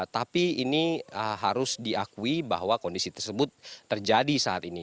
tapi ini harus diakui bahwa kondisi tersebut terjadi saat ini